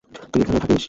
তুই এখানেই থাকিস।